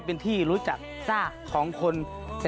โปรดติดตามต่อไป